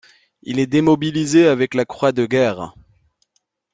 Il est démobilisé avec la croix de Guerre.